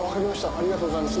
ありがとうございます。